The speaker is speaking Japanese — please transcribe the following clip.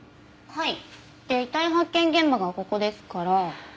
はい。